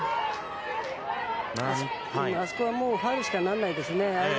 あそこはファウルしかならないですね。